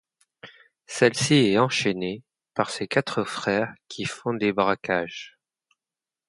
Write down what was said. Celles-ci est enchainée par ses quatre frères qui font des braquages.